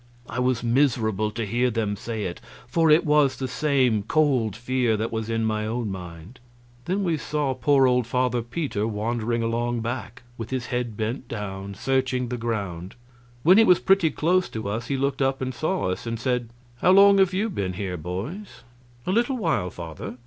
I was miserable to hear them say it, for it was the same cold fear that was in my own mind. Then we saw poor old Father Peter wandering along back, with his head bent down, searching the ground. When he was pretty close to us he looked up and saw us, and said, "How long have you been here, boys?" "A little while, Father."